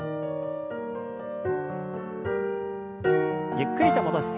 ゆっくりと戻して。